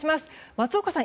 松岡さん